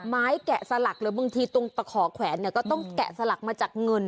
แกะสลักหรือบางทีตรงตะขอแขวนเนี่ยก็ต้องแกะสลักมาจากเงิน